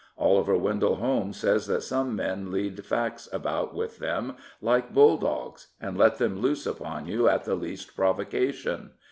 Oliver Wendell Holmes says that some men lead facts about with them like bulldogs, and let them loose upon you at the least provocation.